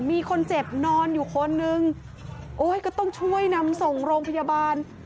มีคนเจ็บนอนอยู่คนนึงโอ้ยก็ต้องช่วยนำส่งโรงพยาบาล